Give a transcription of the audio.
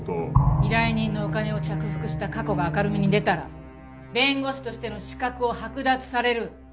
依頼人のお金を着服した過去が明るみに出たら弁護士としての資格を剥奪される。